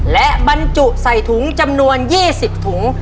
และบรรจุใส่ถุงจำนวน๒๐ถุง